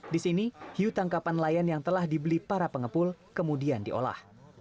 di sini hiu tangkapan layan yang telah dibeli para pengepul kemudian diolah